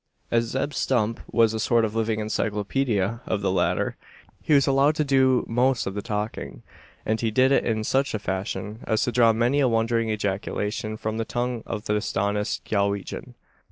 As Zeb Stump was a sort of living encyclopaedia of the latter, he was allowed to do most of the talking; and he did it in such a fashion as to draw many a wondering ejaculation, from the tongue of the astonished Galwegian.